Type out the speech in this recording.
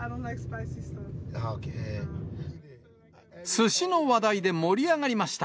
すしの話題で盛り上がりました。